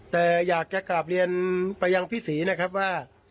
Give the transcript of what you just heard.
แต่อยากจะกลับเรียนไปยังพี่ศรีนะครับว่า